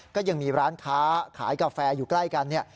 ก็ยังมีร้านค้าขายกาแฟอยู่ใกล้กันเนี่ย